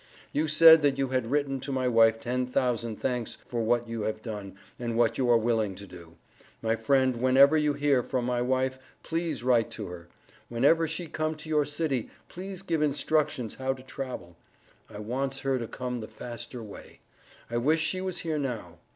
You said that you had written to my wife ten thousand thanks for what you have done and what you are willing to do. My friend whenever you hear from my wife please write to me. Whenever she come to your city please give instruction how to travel. I wants her to come the faster way. I wish she was here now.